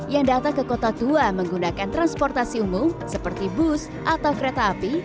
yang datang ke kota tua menggunakan transportasi umum seperti bus atau kereta api